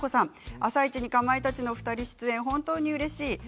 「あさイチ」にかまいたちのお二人出演本当にうれしい。